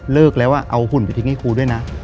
เลิกแล้วเอาหุ่นไปทิ้งให้ครูด้วยนะ